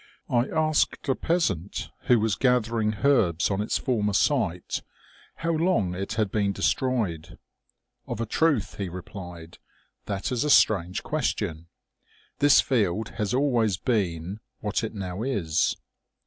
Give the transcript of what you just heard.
I asked a peasant who was gathering herbs on its former site, how long it had been destroyed. * Of a truth,' he replied, * that is a strange question. This field has always been what it now is.'